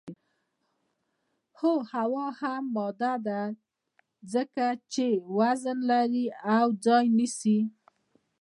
هو هوا هم ماده ده ځکه چې وزن لري او ځای نیسي.